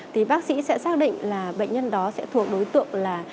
thì bác sĩ sẽ xác định là bệnh nhân đó sẽ thuộc đối tượng là